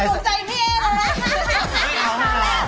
ให้เย็น